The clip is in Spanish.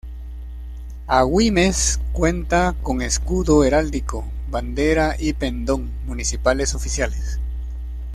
Agüimes cuenta con escudo heráldico, bandera y pendón municipales oficiales.